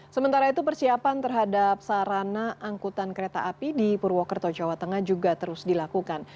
sementara itu persiapan terhadap sarana angkutan kereta api di purwokerto jawa tengah juga terus dilakukan